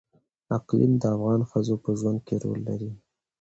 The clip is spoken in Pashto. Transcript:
اقلیم د افغان ښځو په ژوند کې رول لري.